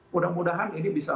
mudah mudahan ini bisa